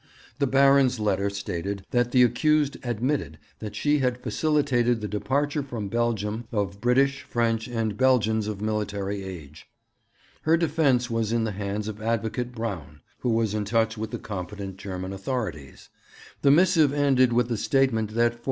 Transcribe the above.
The Baron's letter stated that the accused admitted that she had facilitated the departure from Belgium of British, French, and Belgians of military age. Her defence was in the hands of Advocate Braun, who was in touch with the competent German authorities. The missive ended with the statement that for M.